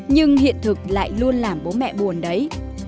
nhưng hiện thực lại luôn làm bố mẹ buồn đấy